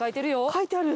書いてある！